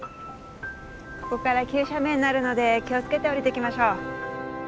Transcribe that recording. ここから急斜面になるので気を付けて下りていきましょう。